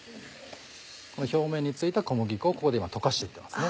この表面に付いた小麦粉をここで今溶かしていってますね。